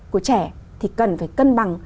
của trẻ thì cần phải cân bằng